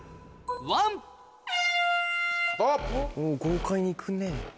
おぉ豪快にいくね。